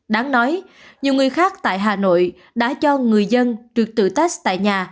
đáng nói nhiều người khác tại hà nội đã cho người dân trực tự test tại nhà